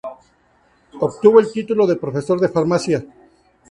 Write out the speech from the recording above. Obtuvo el título de profesor de farmacia.